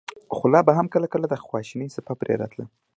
خو لا به هم کله کله د خواشينۍڅپه پرې راتله.